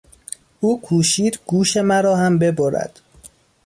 او کوشید گوش مرا هم ببرد.